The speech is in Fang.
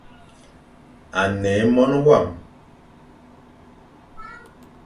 A ne é Mone wam.